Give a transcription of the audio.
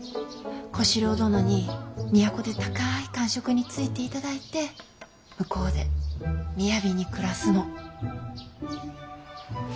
小四郎殿に都で高い官職に就いていただいて向こうで雅に暮らすの。